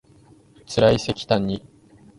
つらいせきたんに